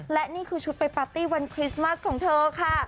และนี่คือชุดไปปาร์ตี้วันคริสต์มัสของเธอค่ะ